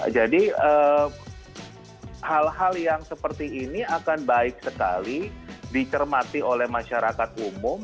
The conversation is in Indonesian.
jadi hal hal yang seperti ini akan baik sekali dicermati oleh masyarakat umum